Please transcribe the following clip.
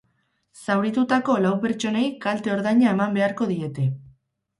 Zauritutako lau pertsonei kalte-ordaina eman beharko diete.